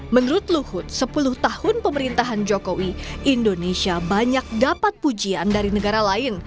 menurut luhut sepuluh tahun pemerintahan jokowi indonesia banyak dapat pujian dari negara lain